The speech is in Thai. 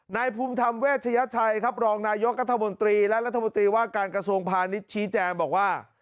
นายภูมิธรรมเวชยชัยครับรองนายกรัฐมนตรีและรัฐมนตรีว่าการกระทรวงพาณิชย์ชี้แจงบอกว่า